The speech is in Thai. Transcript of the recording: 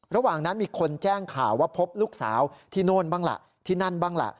ระหว่างนั้นมีคนแจ้งข่าวว่าพบลูกสาวที่โน่นบ้างล่ะที่นั่นบ้างล่ะ